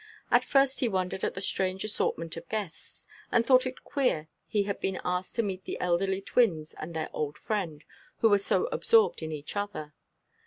At first he wondered at the strange assortment of guests, and thought it queer he had been asked to meet the elderly twins and their old friend, who were so absorbed in each other.